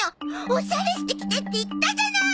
オシャレしてきてって言ったじゃない！